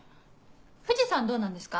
藤さんどうなんですか？